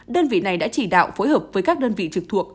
đơn vị này đã chỉ đạo phối hợp với các đơn vị trực thuộc